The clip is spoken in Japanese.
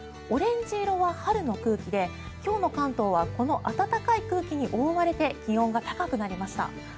オレンジ色は春の空気で今日の関東はこの暖かい空気に覆われて気温が高くなりました。